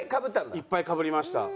いっぱいかぶりました。